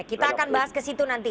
kita akan bahas ke situ nanti